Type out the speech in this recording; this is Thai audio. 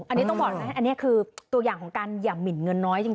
อันนี้ต้องบอกนะอันนี้คือตัวอย่างของการอย่าหมินเงินน้อยจริง